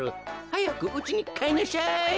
はやくうちにかえりなさい。